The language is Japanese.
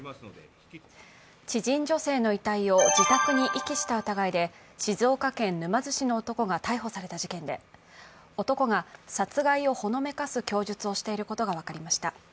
知人女性の遺体を自宅に遺棄した疑いで静岡県沼津市の男が逮捕された事件で男が殺害をほのめかす供述をしていることが分かりました。